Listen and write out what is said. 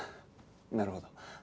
なるほど。